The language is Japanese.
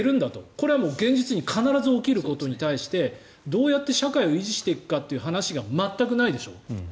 これは現実に必ず起きることに対してどうやって社会を維持していくかという話が全くないでしょ。